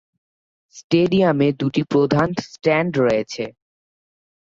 স্টেডিয়ামে দুটি প্রধান স্ট্যান্ড রয়েছে।